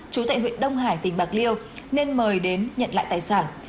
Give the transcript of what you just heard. chú tại huyện đông hải tỉnh bạc liêu nên mời đến nhận lại tài sản